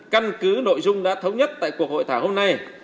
căn cứ nội dung đã thống nhất tại cuộc hội thảo hôm nay